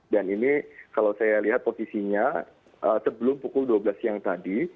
dan ini kalau saya lihat posisinya sebelum pukul dua belas siang tadi